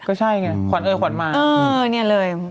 ก็ใช่ไงขวัญเออขวัญมาเลย